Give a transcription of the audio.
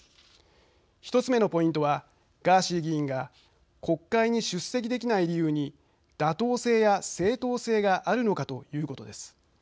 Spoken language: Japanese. １つ目のポイントはガーシー議員が国会に出席できない理由に妥当性や正当性があるのかということです。